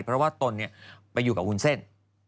เพราะว่าตนไปอยู่กับวุ้นเส้น